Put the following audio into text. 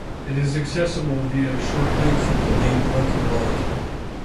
It is accessible via a short hike from the main parking lot.